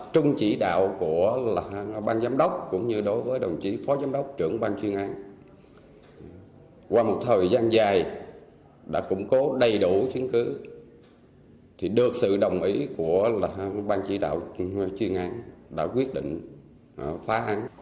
trung chỉ đạo của ban giám đốc cũng như đối với đồng chí phó giám đốc trưởng ban chuyên án qua một thời gian dài đã củng cố đầy đủ chứng cứ thì được sự đồng ý của ban chỉ đạo chuyên án đã quyết định phá án